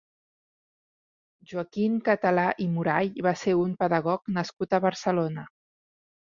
Joaquín Catalá i Murall va ser un pedagog nascut a Barcelona.